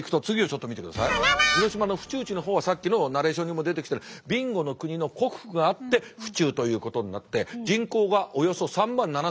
広島の府中市の方はさっきのナレーションにも出てきたように備後国の国府があって府中ということになって人口がおよそ３万７，０００人です。